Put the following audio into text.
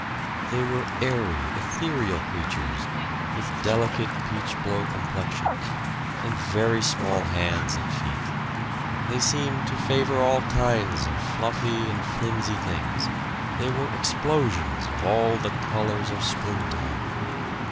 They were airy, ethereal creatures, with delicate peach blow complexions, and very small hands and feet. They seemed to favor all kinds of fluffy and flimsy things; they were explosions of all the colors of the springtime.